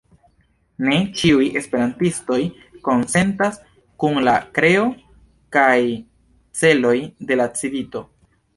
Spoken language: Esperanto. Ne ĉiuj esperantistoj konsentas kun la kreo kaj celoj de la Civito.